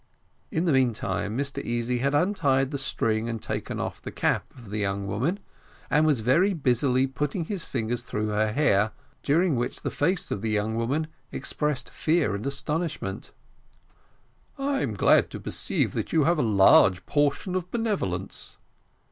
In the meantime, Mr Easy had untied the string and taken off the cap of the young woman, and was very busy putting his fingers through her hair, during which the face of the young woman expressed fear and astonishment. "I am glad to perceive that you have a large portion of benevolence."